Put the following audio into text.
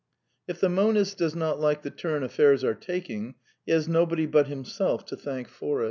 If the monist does not like the turn affairs are taking, he has nobody but himself to thank for it.